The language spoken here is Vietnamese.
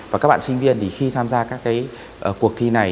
và các bạn sinh viên thì khi tham gia các cuộc thi này